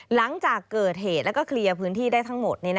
หลังจากเกิดเหตุแล้วก็เคลียร์พื้นที่ได้ทั้งหมด